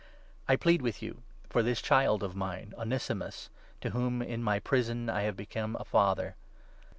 I plead with you for 10 this Child of mine, Onesimus, to whom, in my prison, I have become a Father.